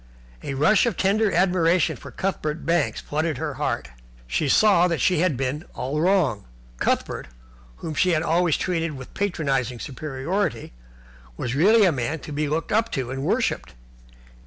A rush of tender admiration for Cuthbert Banks flooded her heart. She saw that she had been all wrong. Cuthbert, whom she had always treated with a patronizing superiority, was really a man to be looked up to and worshipped.